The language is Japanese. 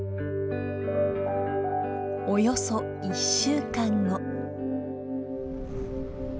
およそ１週間後。